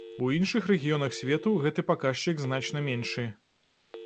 У іншых рэгіёнах свету гэты паказчык значна меншы.